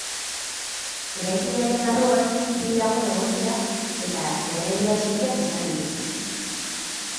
Eraikinaren barruan bi lagun egon dira eta erredura txikiak izan dituzte.